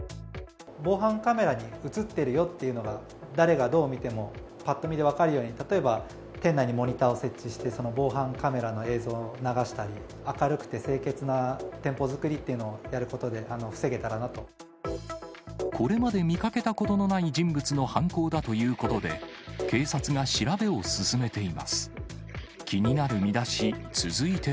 防犯カメラに写ってるよっていうのが、誰がどう見てもぱっと見で分かるように、例えば、店内にモニターを設置して、その防犯カメラの映像を流したり、明るくて清潔な店舗作りっていうこれまで見かけたことのない人物の犯行だということで、警察が調べを進めています。